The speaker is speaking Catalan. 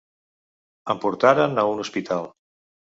Em portaren a un hospital.